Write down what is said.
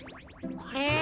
あれ？